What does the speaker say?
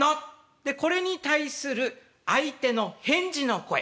でこれに対する相手の返事の声。